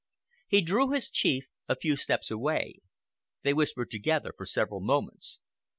He drew his chief a few steps away. They whispered together for several moments.